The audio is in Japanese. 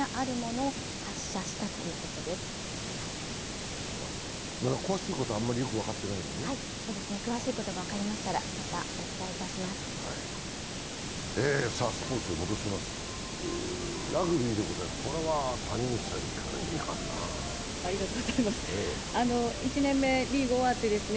詳しいことが分かりましたらまたお伝えします。